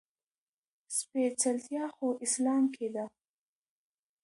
سپېڅلتيا خو اسلام کې ده.